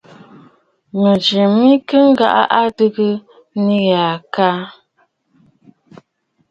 Mɨ̀jɨ mɨ kɨ ghaʼa wa adɨgə nɨyɔʼɔ kaa bɨjɨ waʼà bàŋnə̀ mbə.